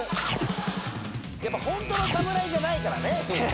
ホントの侍じゃないからね。